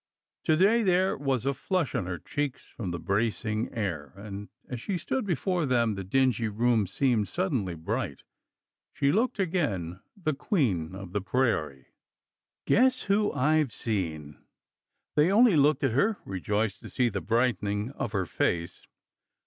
To day there was a flush on her cheeks from the bracing air, and as she stood before them the dingy room seemed suddenly bright. She looked again the queen of the prairie.'' '' Guess who I 've seen !" They only looked at her, rejoiced to see the brightening of her face.